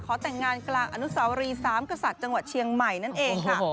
แต่งงานกลางอนุสาวรีสามกษัตริย์จังหวัดเชียงใหม่นั่นเองค่ะ